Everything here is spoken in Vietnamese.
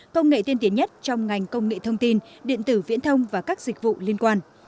công nghệ tiên tiến nhất trong ngành công nghệ thông tin điện tử viễn thông và các dịch vụ liên quan